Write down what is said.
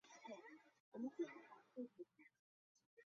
圆叶目下的寄生虫会对人畜的健康造成危害。